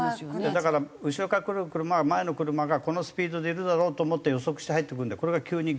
だから後ろから来る車は前の車がこのスピードでいるだろうと思って予測して入ってくるんでこれが急に減速されると。